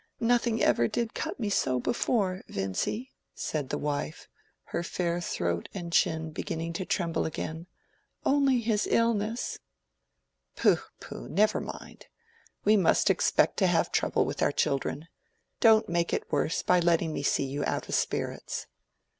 "Nothing ever did cut me so before, Vincy," said the wife, her fair throat and chin beginning to tremble again, "only his illness." "Pooh, pooh, never mind! We must expect to have trouble with our children. Don't make it worse by letting me see you out of spirits."